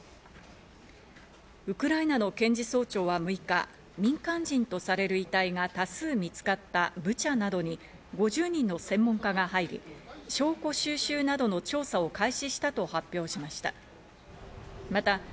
ウクライナの検事総長は６日、民間人とされる遺体が多数見つかったブチャなどに５０人の専門家が入り、証拠収集などの調査を開始したと発表しました。